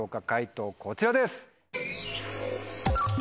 解答こちらです。